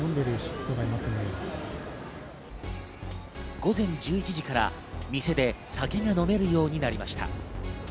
午前１１時から店で酒が飲めるようになりました。